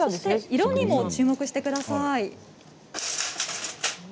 色にも注目してください。